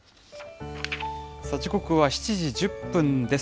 時刻は７時１０分です。